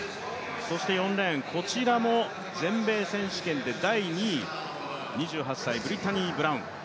４レーン、こちらも全米選手権で第２位、２８歳、ブリッタニー・ブラウン。